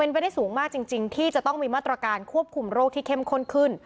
ไม่ได้สูงมากจริงที่จะต้องมีมาตรการควบคุมโรคที่เข้มข้นขึ้น